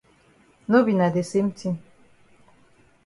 No be na de same tin.